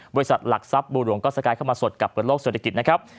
บริษัทหลักทรัพย์บูหลวงก็สกายเข้ามาสดกับเปิดโลกเศรษฐกิจนะครับ